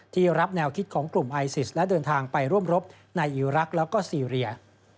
รับแนวคิดของกลุ่มไอซิสและเดินทางไปร่วมรบในอิรักษ์แล้วก็ซีเรีย